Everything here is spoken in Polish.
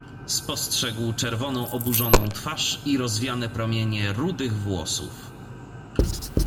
"Spostrzegł czerwoną oburzoną twarz i rozwiane promienie rudych włosów."